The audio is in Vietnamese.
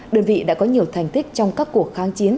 đơn vị đã có nhiều thành tích trong các cuộc kháng chiến